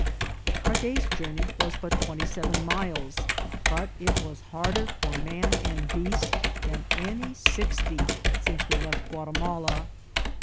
Our day's journey was but twenty seven miles, but it was harder for man an<J beast than any sixty since we left Guatimala.